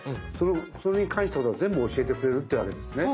それに関して全部教えてくれるってわけですね。